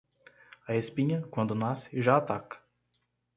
A espinha, quando nasce, já ataca.